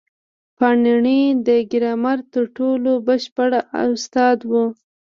پاڼيڼى د ګرامر تر ټولو بشپړ استاد وو.